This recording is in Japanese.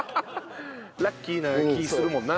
ラッキーな気ぃするもんな。